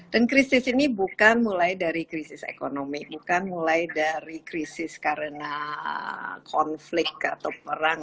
dan krisis ini bukan mulai dari krisis ekonomi bukan mulai dari krisis karena konflik atau perang